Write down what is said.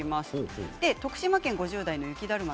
徳島県５０代の方です。